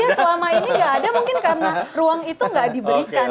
tapi kan selama ini nggak ada mungkin karena ruang itu nggak diberikan